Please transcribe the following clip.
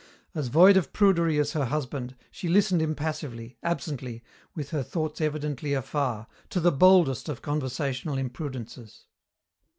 As void of prudery as her husband, she listened impassively, absently, with her thoughts evidently afar, to the boldest of conversational imprudences.